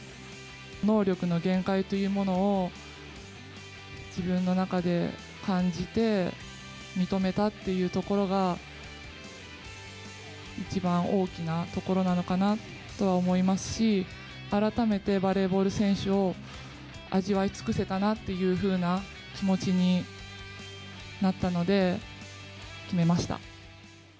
能力の限界というものを自分の中で感じて、認めたっていうところが、一番大きなところなのかなとは思いますし、改めてバレーボール選手を味わい尽くせたなっていうふうな気持ちになったので、決めました。